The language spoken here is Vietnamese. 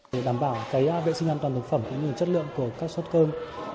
để đảm bảo vệ sinh an toàn thực phẩm chất lượng của các suất cơm